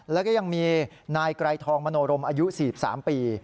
แล้วก็ยังมีนายไกรทองมโนรมอายุ๔๓ปี